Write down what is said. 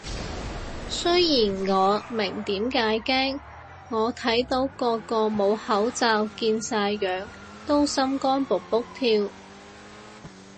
雖然我明點解驚，我睇到個個冇口罩見晒樣都心肝卜卜跳